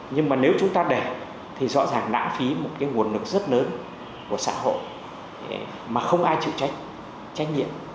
nhưng mà nếu chúng ta để thì rõ ràng đã phí một nguồn lực rất lớn của xã hội mà không ai chịu trách trách nhiệm